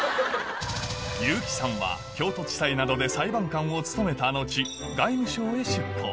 結城さんは京都地裁などで裁判官を務めた後外務省へ出向